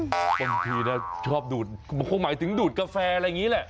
บางทีนะชอบดูดมันคงหมายถึงดูดกาแฟอะไรอย่างนี้แหละ